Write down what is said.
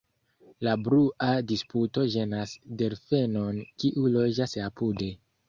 La brua disputo ĝenas delfenon kiu loĝas apude.